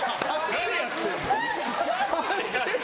何やってんの！